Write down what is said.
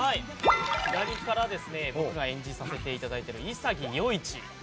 左から僕が演じさせていただいている潔世一